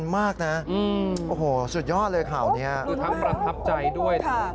มากนะโอ้โหสุดยอดเลยข่าวนี้คือทั้งประทับใจด้วยนะ